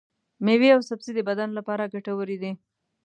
ميوې او سبزي د بدن لپاره ګټورې دي.